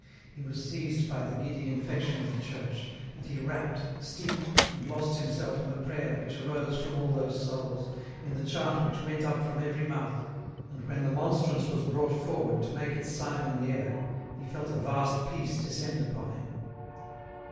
He was seized by the giddy infection of the church, and he wrapped, steeped, and lost' himself in the prayer which arose from all those souls, in the chant which went up from every mouth, and when the monstrance was brought forward to make its sign in the air, he felt a vast peace descend upon him.